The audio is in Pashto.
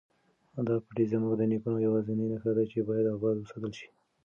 دا پټی زموږ د نیکونو یوازینۍ نښه ده چې باید اباد وساتل شي.